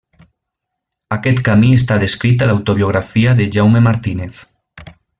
Aquest camí està descrit a l'autobiografia de Jaume Martínez.